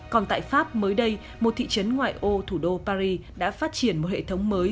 còn tại pháp mới đây một thị trấn ngoài ô thủ đô paris đã phát triển một hệ thống mới